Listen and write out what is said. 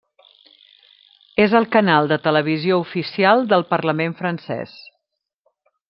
És el canal de televisió oficial del parlament francès.